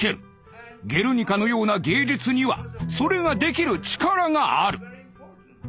「ゲルニカ」のような芸術にはそれができる力がある。